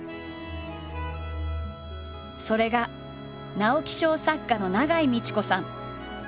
それが直木賞作家の永井路子さん。